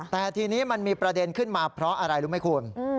แต่ทีนี้มันมีประเด็นขึ้นมาเพราะอะไรรู้ไหมคุณ